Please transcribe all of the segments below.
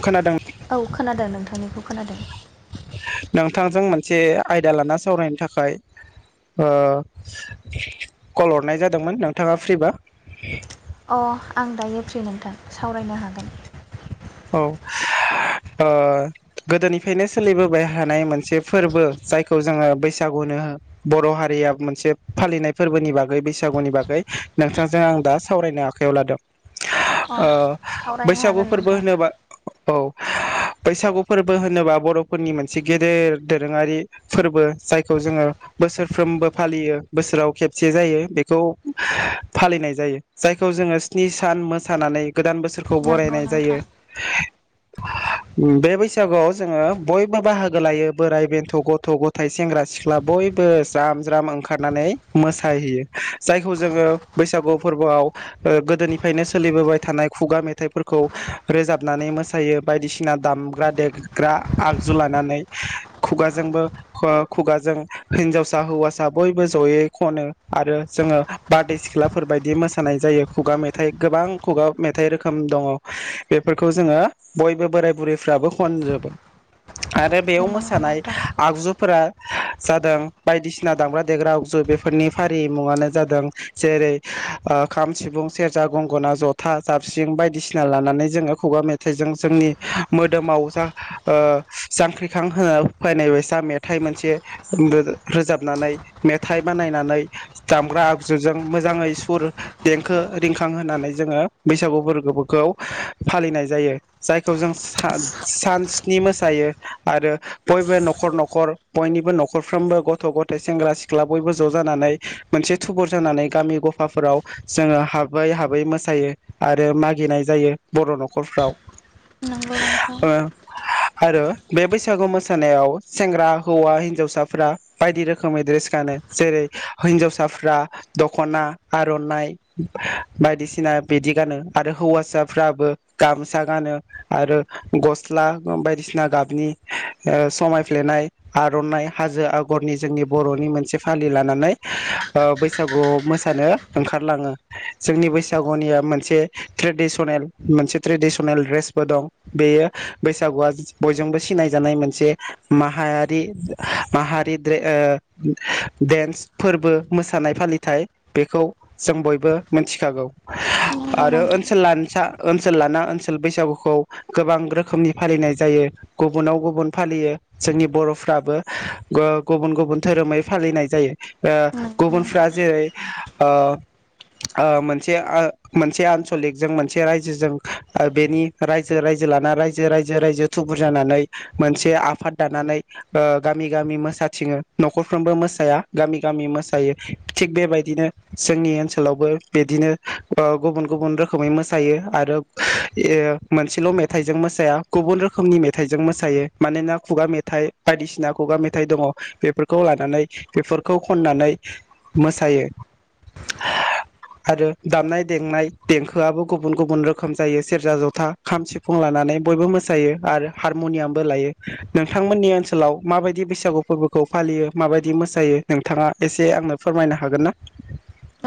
खोनादों औ खोनादों नोंथांनिखौ खोनादों जों मोनसे आयदा लाना सावरायनो थाखाय ओ कल हरनाय जादोंमोन नोंथाङा फ्रिबा अ आं दायो फ्रि नोंथां सावरायनो हागोन। औ ओ गोदोनिफ्रायनो सोलिबोबाय हानाय मोनसे फोरबो जायखौ जोंङो बैसागुनो बर'हारिया मोनसे फालिनाय फोरबोनि बागै बैसागुनि बागै नोंथांजों आं दा सावरायनो आखायाव लादों। अ ओ सावरायनो बैसागु हागोन फोर बो नोंथां होनोबा औ बैसागु फोरबो होनोबा बर'फोरनि मोनसे गेदेर दोरोङारि फोरबो जायखौ जोङो बोसोरफ्रोमबो फालियो बोसोराव खेबसे जायो बेखौ फालिनाय जायो जायखौ जोंङो स्नि सान मोसानानै गोदान बोसोरखौ नंगौ बरायनाय नोंथां जायो। बे बैसागुआव जोङो बयबो बाहागो लायो बोराइ बेन्थ' गथ' गथाय सेंग्रा सिख्ला बयबो ज्राम ज्राम ओंखारनानै मोसाहैयो जायखौ जोङो बैसागु फोरबोआव ओ गोदोनिफ्रायनो सोलिबोबाय थानाय खुगा मेथाइफोरखौ रोजाबनानै मोसायो बायदिसिना दामग्रा देग्रा आगजु लानानै खुगाजोंबो ख खुगाजों हिनजावसा हौवासा बयबो जयै खनो आरो जोङो बारदै सिख्लाफोरबायदि मोसानाय जायो खुगा मेथाइ गोबां खुगा मेथाइ रोखोम दङ। बेफोरखौ जोङो बयबो बोराय बुरैफ्राबो खनजोबो आरो बेयाव नंगौ मोसानाय नोंथां आगजुफोरा जादों बायदिसिना दामग्रा देग्रा आगजु बेफोरनि फारि मुङानो जादों जेरै ओ खाम, सिफुं, सेरजा, गंगना, जथा, जाबसिं बायदिसिना लानानै जोङो खुगा मेथाइजों जोंनि मोदोमाव जा ओ जांख्रिखां होफैनाय बायसा मेथाइ मोनसे रो-रोजाबनानै मेथाइ बानायनानै दामग्रा आगजुजों मोजाङै सुर, देंखो रिंखां होनानै जोङो बैसागु बोरबोफोरखौ फालिनाय जायो जायखौ जों सा-सान स्नि मोसायो आरो बयबो न'खर न'खर बयनिबो न'खरफ्रोमबो गथ' गथाय सेंग्रा सिख्ला बयबो ज' जानानै मोनसे थुबुर जानानै गामि गफाफोराव जोङो हाबै हाबै मोसायो आरो मागिनाय जायो। बर' न'खरफ्रा नंगौ नोंथां। आरो बे बैसागु मोसानायाव सेंग्रा हौवा हिन्जावसाफोरा बायदि रोखोमनि ड्रेस गानो जेरै हिन्जावसाफ्रा दखना आरनाइ बायदिसिना बिदि गानो आरो हौवासा। फ्राबो गामसा गानो आरो गस्ला बायदिसिना गाबनि समायफ्लेनाय आरनाइ हाजो आगरनि जोंनि बर'नि मोनसे फालि। लानानै ओ बैसागु मो। ओंखारलाङो जोंनि बैसागुनिया मोनसे ट्रेडिस- मोनसे ट्रेडिसनेल ड्रेसबो दं बेयो बैसागुआ बयजोंबो सिनायजानाय मोनसे माहारि माहारि द्रे ओ देन्स फोरबो मोसानाय फालिथाइ बेखौ जों बयबो मोनथिखागौ। नंगौ आरो नोंथां ओनसोल लानो। ओनसोल लाना ओनसोल बैसागुखौ गोबां रोखोमनि फालिनाय जायो गुबुनाव गुबुन फालियो जोंनि बरफ्राबो ओ गुबुन गुबुन धोरोमै फालिनाय जायो ओ नंगौ नोंथां गुबुनफ्रा जेरै ओ ओ मोनसे ओ मोनसे आनसलिकजों मोनसे। मोनसे रायजोजों बेनि रायजो राजजो लाना रायजो रायजो रायजो थुबुर जानानै मोनसे आफाद दानानै ओ गामि गामि मोसाथिङो नखरफ्रोमबो मोसाया गामि गामि मोसायो थिग बेबायदिनो जोंनि ओनसोलावबो बिदिनो ओ गुबुन गुबुन रोखोमै मो। मोसायो आरो ओ मोनसेल मेथाइजों मोसाया गुबुन रोखोमनि मेथाइजों मोसायो मानोना खुगा मेथाइ बायदिसिना खुगा मेथाइ दङ बेफोरखौ लानानै बेफोरखौ खननानै मोसायो आरो दामनाय देनाय देंखोआबो। गुबुन गुबुन रोखोम जायो सेरजा जथा खाम सिफुं लानानै बयबो मोसायो आरो हारमनियामबो लायो नोंथांमोननि ओनसोलाव माबायदि बैसागु फोरबोखौ फालियो माबायदि मोसायो नोंथाङा एसे आंनो फोरमायनो हागोन ना।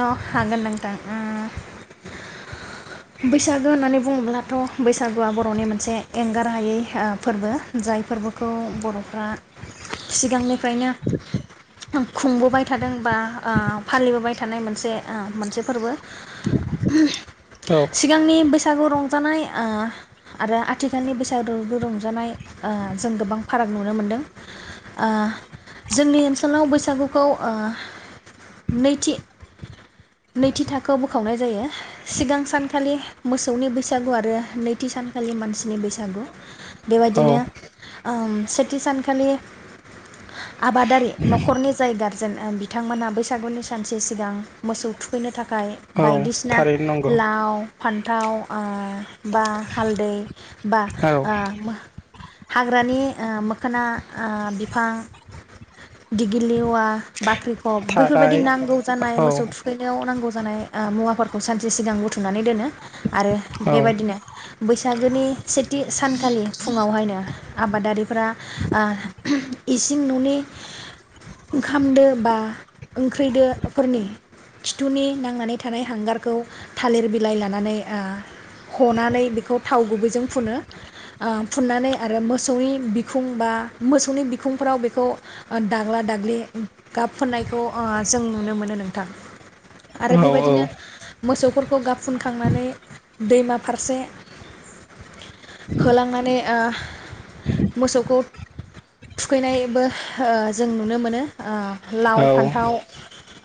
औ हागोन नोंथां उम। बैसागो होननानै बुङोब्ला। दाथ बैसागुआ बरनि मोनसे एंगार हायै ओ फोरबो जाय फोरबोखौ बर'फ्रा। सिगांनिफ्रायनो खुंबोबाय थादों बा ओ फालिबोबाय थादों। थानाय मोनसे ओ मोनसे फोरबो। औ सिगांनि बैसागु रंजानाय। ओ आरो आथिखालनि बैसागुु रंजानाय ओ जों गोबां फाराग नुनो मोनदों ओ जोंनि ओनसोलाव बैसागुखौ ओ नैथि। नैथि थाखोआव बोखावनाय जायो सिगां सानखालि मोसौनि बैसागु आरो नैथि सानखालि मानसिनि बैसागु। बेबायदिनो। ओम सेथि सानखालि। आबादारि नखरनि जाय गार। बिथांमोना बैसागुनि सानस्रि। सिगां मोसौ थुखैनो थाखाय। औ थाखाय बायदिसिना थारैनो नंगौ लाव। फान्थाव ओ। बा हालदै बा औ ओ मा हाग्रानि ओ। मोखना बिफां। दिगिलिवा बाख्रिखब थाराय बैफोरबायदि नांगौ। औ मोसौ थुखैनायाव नांगौ जानाय मुवाफोरखौ सानसे सिगां बुथुमनानै दोनो आरो औ बेबायदिनो बैसागोनि सेथि सानखालि फुङावहायनो आबादारिफोरा ओ। इसिं ननि। ओंखामदो बा ओंख्रिदो। खिथुनि नांनानै थानाय हांगारखौ थालिर बिलाइ लानानै ओ हनानै बेखौ थाव गुबैजों फुनो ओ फुननानै आरो मोसौनि बिखुं बा मोसौनि बिखुंफ्राव बेखौ दाग्ला दाग्लि गाब फुननायखौ ओ जों नुनो मोनो नोंथां। आरो औ बेबायदिनो मोसौफोरखौ गाब फुनखांनानै दैमा फारसे होलांनानै ओ मोसौखौ थुखैनायबो ओ जों नुनो मोनो ओ औ लाव फान्थाव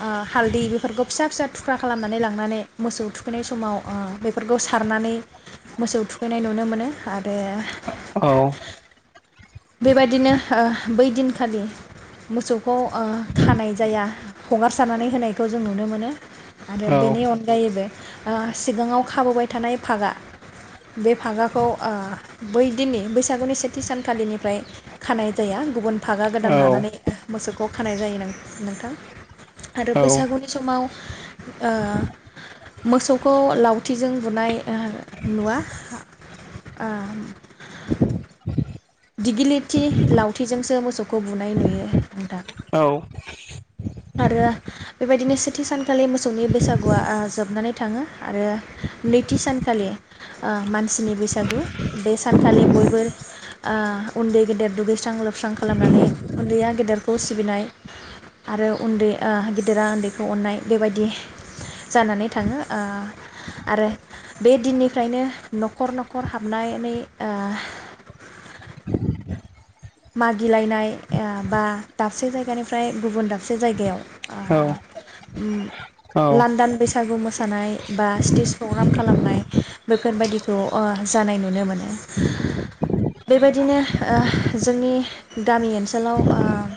ओ हालदै बेफोरखौ फिसा फिसा थुख्रा खालामनानै लांनानै मोसौ थुखैनाय समाव ओ बेफोरखौ सारनानै मोसौ थुखैनाय नुनो मोनो आरो औ बेबायदिनो ओ बै दिनखालि मोसौखौ ओ खानाय जाया हगारसारनानै होनायखौ जों नुनो मोनो आरो औ बेनि अनगायैबो ओ सिगाङाव खाबोबाय थानाय फागा बे फागाखौ ओ बै दिननि बैसागुनि सेथि सानखालिनि फ्राय खानाय जाया गुबुन फागा गोदान लानानै मोसौखौ खानाय जायो नो नोंथां औ आरो बैसागुनि समाव ओ मोसौखौ लावथिजों बुनाय ओ नुवा ओ दिगिलिरथि लावथिजोंसो मोसौखौ बुनाय नुयो नों थां। आरो बेबायदिनो सेथि सानखालि मोसौनि बैसागुआ जोबनानै थाङो आरो नैथि सानखालि आ मानसिनि बैसागु बे सानखालि बयबो आ उन्दै गेदेर दुगैस्रां लोबस्रां खालामनानै उन्दैया गेदेरखौ सिबिनाय आरो उन्दै ओ गिदिरा उन्दैखौ अननाय बेबायदि जानानै थाङो ओ आरो बे दिननिफ्रायनो न'खर न'खर हाबनायनै ओ मागिलायनाय एया बा दाबसे जायगानिफ्राय गुबुन दाबसे जायगायाव आ उम लान्दान बैसागु मोसानाय बा स्टेज प्रग्राम खालामनाय बेफोरबायाददिखौ ओ जानाय नुनो मोनो बेबायदिनो ओ जोंनि गामि ओन्सोलाव ओम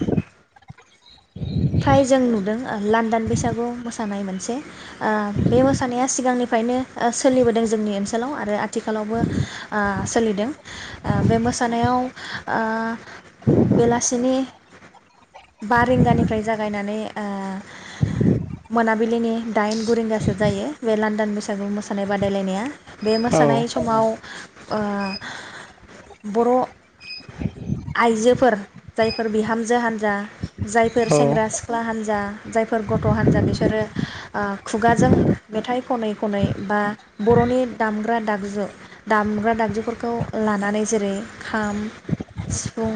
फ्राय जों नुदों लान्दान बैसागुआव मोसानाय मोनसे आ बे मोसानाया सिगांनिफ्रायनो सोलिबोदों जोंनि ओन्सोलाव आरो आथिखालावबो ओ सोलिदों बे मोसानायाव ओ बेलासिनि बा रिंगानिफ्राय जागायनानै ओ मोनाबिलिनि दाइन गुरिंगासो जायो बे लान्दन बैसागु मोसानाय बादायलायनाया बे मोसानाय समाव ओ बर' आइजोफोर जायफोर बिहामजो हान्जा जायफोर सेंग्रा सिख्ला हान नजा जायफोर गथ' हान्जा बेसोरो ओ खुगाजों मेथाइ खनै खनै बा बर'नि दामग्रा दागजु दामग्रा दागजुफोरखौ लानानै जेरै खाम, सिफुं,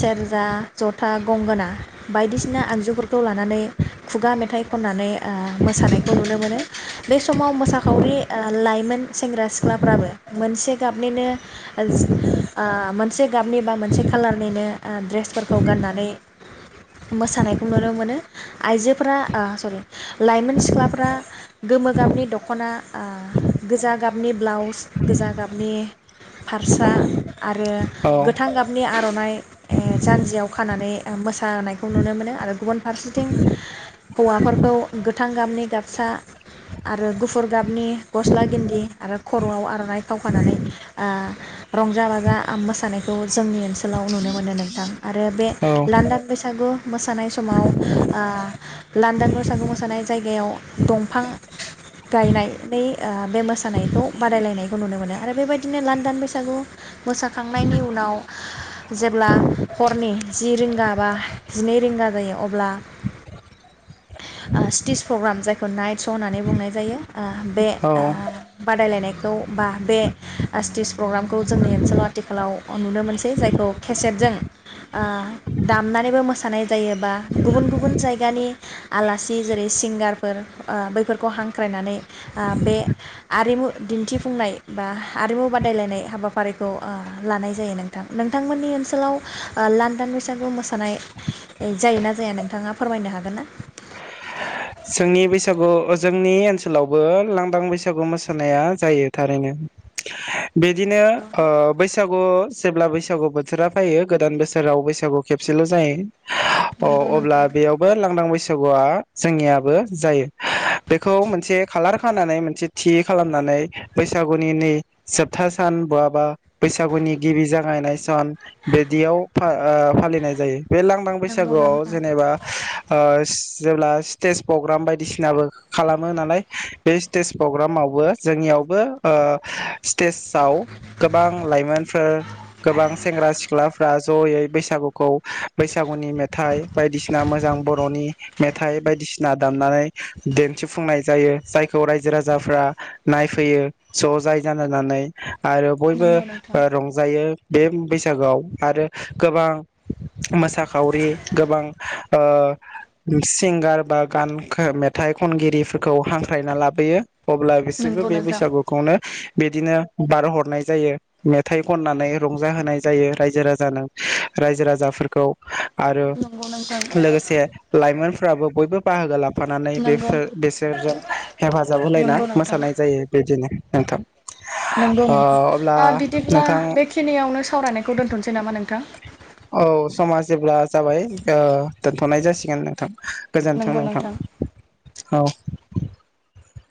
सेरजा, ज'था, गंगोना बायदिसिना आगजुफोरखौ लानानै खुगा मेथाइ खननानै ओ मोसानायखौ नुनो मोनो बे समाव मोसाखावरि ओ लाइमोन सेंग्रा-सिख्लाफ्राबो मोनसे गाबनिनो ओ मोनसे गाबनि बा मोनसे खालारनिनो द्रेसफोरखौ गाननानै मोसानायखौ नुनो मोनो आइजोफोरा आ सरि लाइमोन सिख्लाफोरा गोमो गाबनि दख'ना आ गोजा गाबनि ब्लाउस गोजा गाबनि फारसा आरो गोथां गाबनि आर'नाइ ओ जानजियाव खानानै ओ मोसानायखौ नुनो मोनो आरो गुबुन फारसेथिं हौवाफोरखौ गोथां गाबनि गाबसा आरो गुफुर गाबनि गस्ला गिन्दि आरो खर'आव आर'नाइ खाव खानानै ओ रंजा-बाजा मोसानाय खौ जोंनि ओन्सोलाव नुनो मोनो नोंथां। आरो बे औ लान्दां बैसागु मोसानाय समाव आ लांदान बैसागु मोसानाय जायगायाव दंफां गायनायनै बे ओ मोसानायखौ बादायलायनायखौ नुनो मोनो आरो बेबायदिनो लान्दान बैसागु मोसाखांनाय नि उनाव जेब्ला हरनि जि रिंगा बा जिनै रिंगा जायो अब्ला स्टेज प्रग्राम जायखौ नाइट श' होननानै बुंनाय जायो। आ बे औ आ बादायलायनाय खौ बा बे स्टेज प्रग्रामखौ जोंनि ओन्सोलाव आथिखालाव नुनो मोनसै जायखौ केसेटजों आ दामनानैबो मोसानाय जायो बा गुबुन गुबुन जायगानि आलासि जेरै सिंगारफोर ओ बैफोरखौ हांख्रायनानै आ बे आरिमु दिन्थिफुंनाय बा आरिमु बादायलायनाय हाबाफारिखौ ओ लानाय जायो नोंथां। नोंथांमोननि ओन्सोलाव ओ लान्दान बैसागु मोसानाय जायो ना जाया नोंथाङा फोरमायनो हागोन ना? जोंनि बैसागु जोंनि ओन्सोलावबो लांदां बैसागु मोसानाया जायो थारैनो। औ बिदिनो नंगौना? ओ बै बैसागु जेब्ला बैसागु बोथोरा फायो गोदान बोसोराव बैसागु खेबसेल' जायो। अ नंगौ अब्ला नोंथां बेयावबो लांदां बैसागुआ जोंनिया बो जायो बेखौ मोनसे खालार खानानै मोनसे थि खालामनानै बैसागुनि नि जोबथा सान बहाबा बैसागुनि गिबि जागायनाय सान बिदियाव फा ओ फालिनाय जायो। बे लांदां नंगौ बैसागोआव नोंथां जेनेबा ओ जेब्ला स्टेज प्रग्राम बायदिसिनाबो खालामो नालाय बे स्टेज प्रग्रामावबो जोंनियावबो ओ स्टेज आव गोबां लाइमोनफोर गोबां सेंग्रा सिख्लाफ्रा ज'यै बैसागुखौ बैसागुनि मेथाइ बायदिसिना मोजां बर'नि मेथाइ बायदिसि ना दामनानै दिन्थिफुंनाय जायो जायखौ रायजो राजाफ्रा नायफैयो ज' जाय जानायनानै आरो बयबो ओ रंजायो बे बैसागोआव आरो गोबां मोसाखावरि गोबां ओ सिंगार बा गान खो मेथाइ खनगिरिफोरखौ हांख्रायना लाबोयो। अब्ला बिसोरबो नंगौ बे नोंथां। बैसागुखौनो बिदिनो बारहरनाय जायो मेथाइ खननानै रंजाहोनाय जायो रायजो राजानो रायजो राजाफोरखौ आरो नंगौ नोंथां लोगोसे लाइमोन फ्राबो बयबो बाहागोला फानानै नंगौ नोंथां नंगौ बेफोर बेसोरजों हेफाजाब होलायना नंगौ मोसानाय जायो बेदिनो। नोंथां नोंगौ नोंथां ओ बिदिब्ला नोंथां बेखिनियावनो सावरायनायखौ दोन्थनोसै नामा नोंथां? औ समा जेब्ला जाबाय ओ दोनथ'नाय जासिगोन नोंथां। गोजोन्थों नोंथां। औ